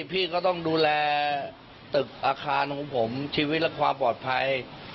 พี่ก็ต้องดูแลตึกอาคารของผมชีวิตและความปลอดภัย